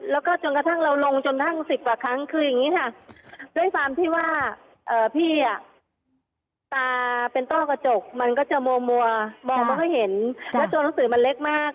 แล้วก็จนกระทั่งเราลงจนทั้ง๑๐กว่าครั้งคืออย่างนี้ค่ะด้วยความที่ว่าพี่อ่ะตาเป็นต้อกระจกมันก็จะมัวมองไม่ค่อยเห็นแล้วตัวหนังสือมันเล็กมาก